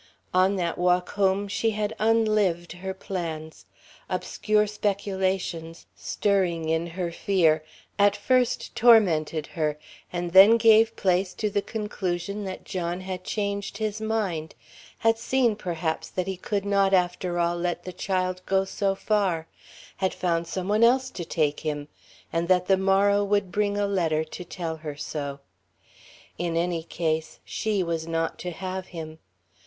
On that walk home she had unlived her plans. Obscure speculations, stirring in her fear, at first tormented her, and then gave place to the conclusion that John had changed his mind, had seen perhaps that he could not after all let the child go so far, had found some one else to take him; and that the morrow would bring a letter to tell her so. In any case, she was not to have him.